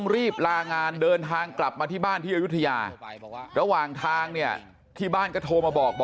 รีบลาการเดินทางกลับมาที่บ้านที่อัยธยาแล้วหว่างทางที่บ้านก็โทรมาบอก